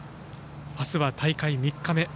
あすは大会３日目。